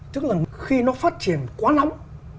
tức là khi nó phát triển quá nóng